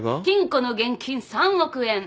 金庫の現金３億円。